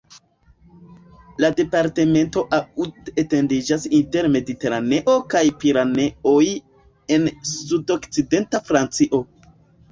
La departemento Aude etendiĝas inter Mediteraneo kaj Pireneoj en sud-okcidenta Francio.